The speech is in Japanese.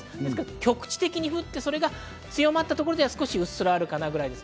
局地的に降ってそれが強まったところでは、うっすらあるかな？ぐらいです。